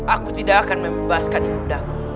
aku tidak akan membebaskan ibu daku